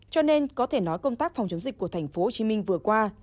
cho nên có thể nói công tác phòng chống dịch của thành phố hồ chí minh vừa qua